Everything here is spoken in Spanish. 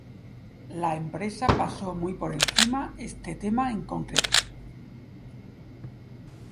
La prensa pasó muy por encima este tema en concreto.